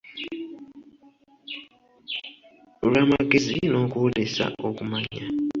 Olw’amagezi n’okwolesa okumanya.